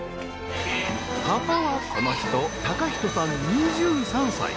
パパはこの人貴仁さん２３歳。